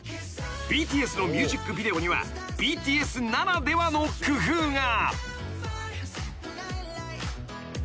［ＢＴＳのミュージックビデオにはＢＴＳならではの工夫が］